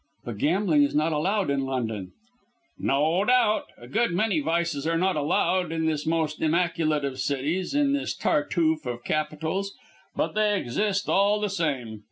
"But gambling is not allowed in London." "No doubt. A good many vices are not allowed in this most immaculate of cities, in this Tartuffe of capitals, but they exist all the same.